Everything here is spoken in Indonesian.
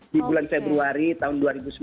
di bulan februari tahun dua ribu sembilan belas